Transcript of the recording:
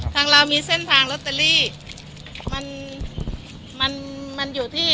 ทางเรามีเส้นทางลอตเตอรี่มันมันอยู่ที่